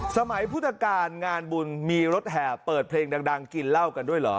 พุทธการงานบุญมีรถแห่เปิดเพลงดังกินเหล้ากันด้วยเหรอ